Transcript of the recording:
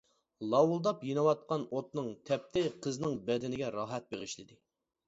لاۋۇلداپ يېنىۋاتقان ئوتنىڭ تەپتى قىزنىڭ بەدىنىگە راھەت بېغىشلىدى.